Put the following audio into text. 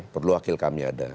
perlu wakil kami ada